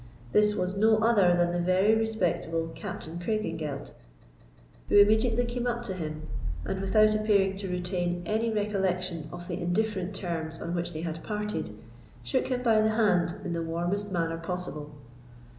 This was no other than the very respectable Captain Craigengelt, who immediately came up to him, and, without appearing to retain any recollection of the indifferent terms on which they had parted, shook him by the hand in the warmest manner possible.